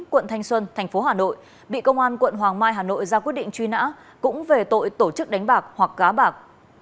quận thanh xuân thành phố hà nội bị công an quận hoàng mai hà nội ra quyết định truy nã cũng về tội tổ chức đánh bạc hoặc gá bạc